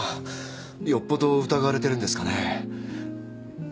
よっぽど疑われてるんですかね。